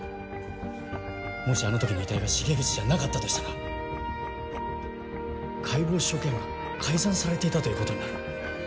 もしあの時の遺体が重藤じゃなかったとしたら解剖所見が改ざんされていたということになる。